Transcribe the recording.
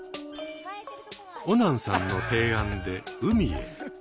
オナンさんの提案で海へ。